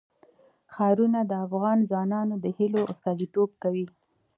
ښارونه د افغان ځوانانو د هیلو استازیتوب کوي.